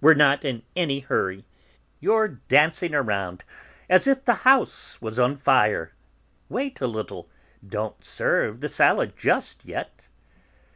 We're not in any hurry; you're dashing round as if the house was on fire. Wait a little; don't serve the salad just yet."